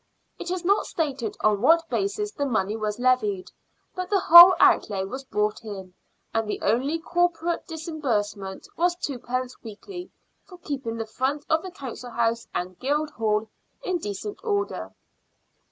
It is not stated on what basis the money was levied, but the whole outlay was brought in, and the only corporate disbursement was twopence weekly for keeping the front of the Council House and Guildhall in decent order.